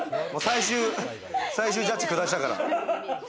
最終ジャッジ下したから。